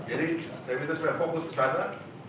jadi saya minta semuanya fokus ke sana